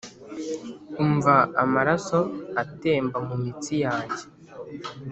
umva amaraso atemba mumitsi yanjye.